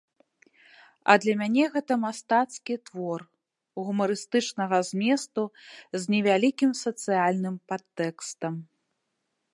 А для мяне гэта мастацкі твор гумарыстычнага зместу з невялікім сацыяльным падтэкстам.